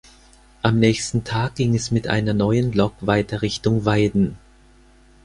Am nächsten Tag ging es mit einer neuen Lok weiter Richtung Weiden.